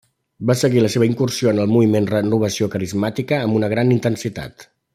Va seguir la seva incursió en el Moviment Renovació Carismàtica amb una gran intensitat.